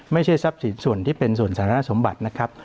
ไม่ใช่ทรัพย์สินส่วนที่เป็นส่วนสารสมบัตินะครับ